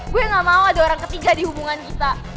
gue gak mau ada orang ketiga di hubungan kita